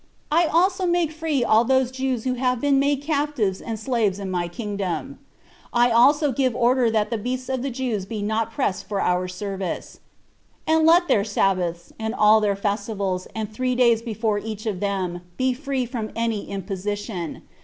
I also make free all those Jews who have been made captives and slaves in my kingdom. I also give order that the beasts of the Jews be not pressed for our service; and let their sabbaths, and all their festivals, and three days before each of them, be free from any imposition.